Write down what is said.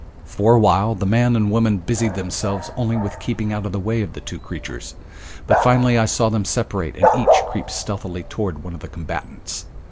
For a while the man and woman busied themselves only with keeping out of the way of the two creatures, but finally I saw them separate and each creep stealthily toward one of the combatants.